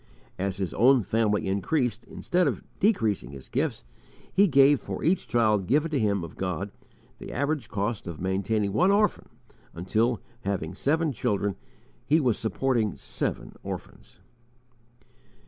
As his own family increased, instead of decreasing his gifts, he gave, for each child given to him of God, the average cost of maintaining one orphan, until, having seven children, he was supporting seven orphans.